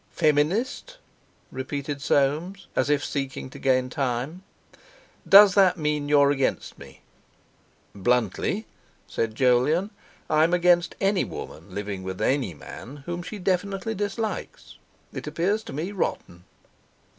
"Feminist!" repeated Soames, as if seeking to gain time. "Does that mean that you're against me?" "Bluntly," said Jolyon, "I'm against any woman living with any man whom she definitely dislikes. It appears to me rotten."